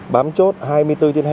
bám chốt hai mươi bốn trên hai mươi bốn